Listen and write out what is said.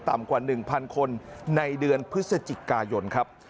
กว่า๑๐๐คนในเดือนพฤศจิกายนครับ